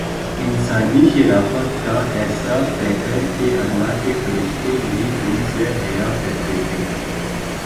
انسانی شرافت کاایسا پیکرکہ اللہ کے فرشتے بھی ان سے حیا کرتے تھے۔